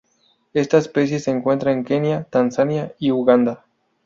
Esta especie se encuentra en Kenia, Tanzania y Uganda.